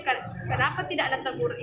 kenapa tidak ada tegur